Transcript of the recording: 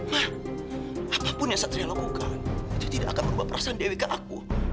mak apapun yang satria lakukan itu tidak akan merubah perasaan dewi ke aku